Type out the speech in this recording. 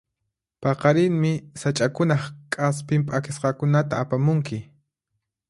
Paqarinmi sach'akunaq k'aspin p'akisqakunata apamunki.